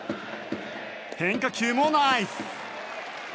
変化球もナイス！